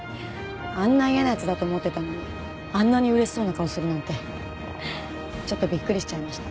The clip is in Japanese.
あんな嫌な奴だと思ってたのにあんなに嬉しそうな顔するなんてちょっとびっくりしちゃいました。